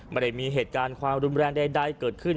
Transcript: ไม่ได้มีเหตุการณ์ความรุนแรงใดเกิดขึ้น